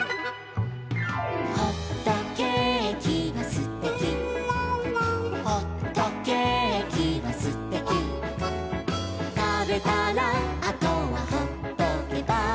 「ほっとけーきはすてき」「ほっとけーきはすてき」「たべたらあとはほっとけば」